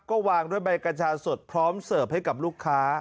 ก็วางด้วยใบกัญชาสดพร้อมเสิร์ฟให้กับลูกค้า